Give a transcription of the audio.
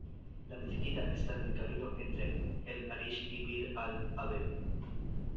La mezquita está en el camino entre El Arish y Bir al-Abed.